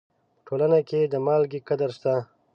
په ټولنه کې د مالګې قدر شته.